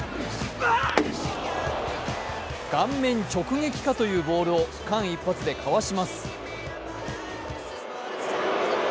顔面直撃かというボールを間一髪でかわします。